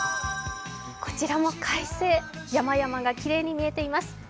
こちらも快晴、山々がきれいに見えています。